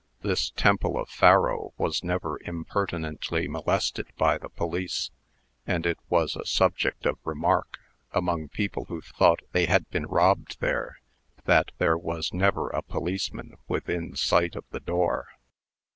This Temple of Faro was never impertinently molested by the police; and it was a subject of remark, among people who thought they had been robbed there, that there was never a policeman within sight of the door.